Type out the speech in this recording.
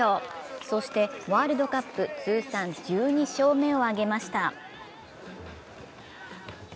そしてワールドカップ通算１２勝目を挙げました。